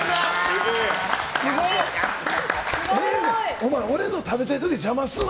お前、俺の食べてる時邪魔するな！